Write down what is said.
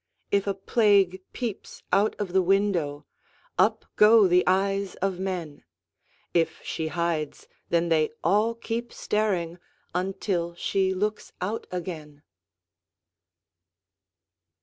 If a Plague peeps out of the window, Up go the eyes of men; If she hides, then they all keep staring Until she looks out again.